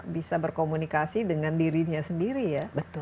bisa berkomunikasi dengan dirinya sendiri ya